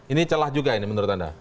ini celah juga ini menurut anda